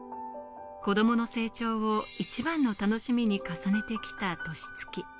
子供の成長を一番の楽しみに重ねてきた年月。